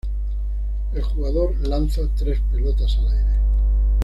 El jugador lanza tres pelotas al aire.